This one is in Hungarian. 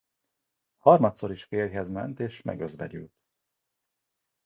Harmadszor is férjhez ment és megözvegyült.